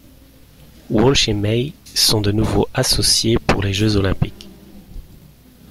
Walsh et May sont de nouveau associées pour les Jeux olympiques.